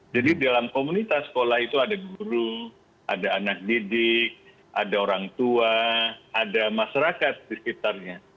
jadi dalam komunitas sekolah itu ada guru ada anak didik ada orang tua ada masyarakat di sekitarnya